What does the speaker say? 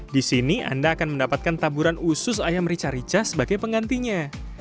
di sini anda akan mendapatkan taburan usus ayam rica rica sebagai penggantinya